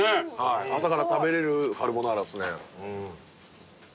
朝から食べれるカルボナーラっすね。